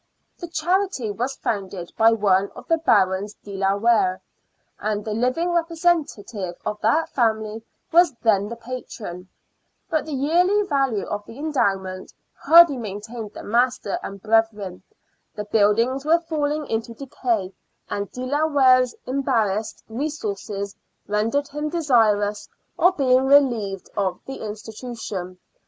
The charity was founded by one of the Barons De la Warre, and the living representative of that family was then the patron ; but the yearly value of the endowment hardly maintained the master and brethren, the buildings were falling into decay, and De la Warre's embarrassed resources rendered him desirous of being relieved of the institution.